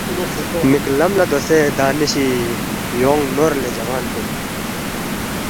مک لم لا دوسے دانشی یونگ نور لے جوان کن